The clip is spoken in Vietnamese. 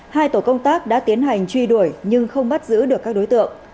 hai tổ công tác đã tiến hành truy đuổi nhưng không bắt giữ được các đối tượng